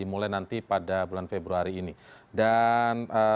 bulan februari ini dan